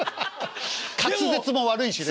滑舌も悪いしね。